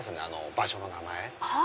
場所の名前。